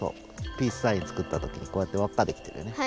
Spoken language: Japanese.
ピースサイン作ったときこうやってわっかできてるよね。